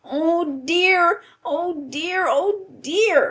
"Oh dear! Oh dear! Oh dear!"